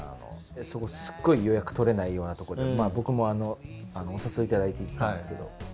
そこすっごい予約取れないようなとこで僕もお誘いいただいて行ったんですけど。